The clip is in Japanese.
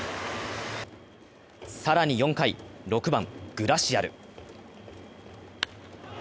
更に４回、６番・グラシアル。